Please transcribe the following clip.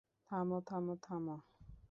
থামো, থামো, থামো!